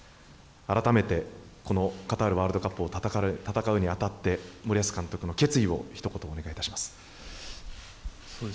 改めて、このカタールワールドカップを戦うに当たって、森保監督の決意をひと言お願いいたします。